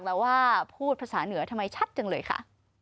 แล้วว่าพูดภาษาเหนือทำไมชัดจังเลยค่ะ